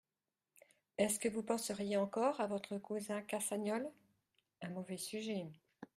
Est-ce que vous penseriez encore à votre cousin Cassagnol ? un mauvais sujet…